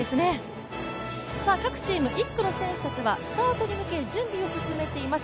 各チーム１区の選手たちはスタートに向け準備を進めています。